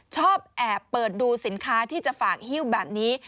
ชอบแอบเปิดดูสินค้าที่จะฝากฮิ้วแบบนี้